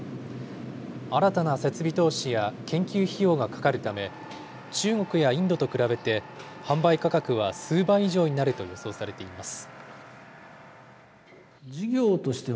新たな設備投資や研究費用がかかるため、中国やインドと比べて、販売価格は数倍以上になると予想されています。